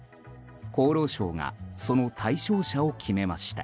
厚労省がその対象者を決めました。